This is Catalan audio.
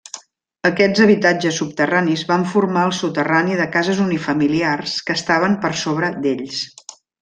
Aquests habitatges subterranis van formar el soterrani de cases unifamiliars que estaven per sobre d'ells.